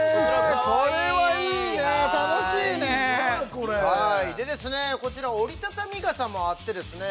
これはいいね楽しいねこちら折りたたみ傘もあってですね